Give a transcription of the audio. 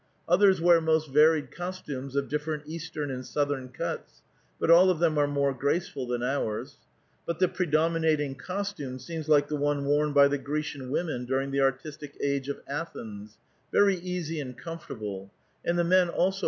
Others wear most varied costumes of different eastern and southern cuts, but all of them are more grace ful than ours. But the predominating costume seems like the one worn by the Grecian women during the artistic age of Athens, very easy and comfortable ; and the men also